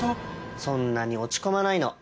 そんなに落ち込まないの。